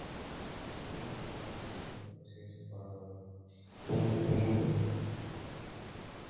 Men onamiz ketidan ergashib boraman. Ing-ing etib boraman.